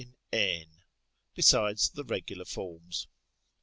in ἣν, besides the regular forms.